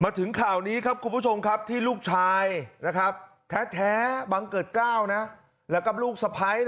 ถึงข่าวนี้ครับคุณผู้ชมครับที่ลูกชายแท้บังเกิดกล้าวแล้วก็ลูกสะพ้าย